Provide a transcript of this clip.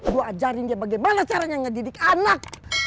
gue ajarin dia bagaimana caranya ngedidik anak